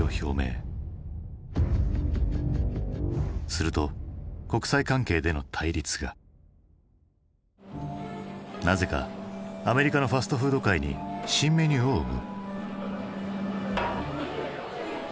すると国際関係での対立がなぜかアメリカのファストフード界に新メニューを生む。